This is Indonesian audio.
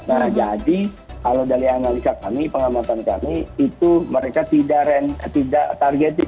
nah jadi kalau dari analisa kami pengamatan kami itu mereka tidak targeted